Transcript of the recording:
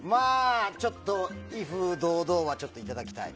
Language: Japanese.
ちょっと、「威風堂々」はいただきたい。